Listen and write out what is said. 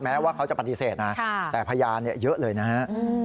แม้ว่าเขาจะปฏิเสธนะแต่พยานเยอะเลยนะฮะ